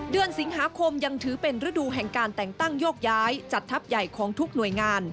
เดือนสิงหาคมยังถือเป็นฤดูแห่งการแต่งตั้งโยกย้ายจัดทัพใหญ่ของทุกหน่วยงาน